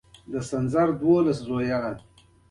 افغانان د خپلمنځیو جگړو له لاسه پارچې پارچې شول.